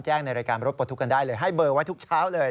ในรายการรถปลดทุกข์กันได้เลยให้เบอร์ไว้ทุกเช้าเลย